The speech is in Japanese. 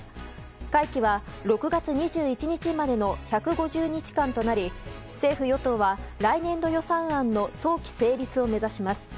会期は６月２１日までの１５０日間となり政府与党は来年度予算案の早期成立を目指します。